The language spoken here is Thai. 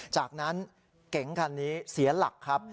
จากนั้นเก๋งคันนี้เสียหลักครับ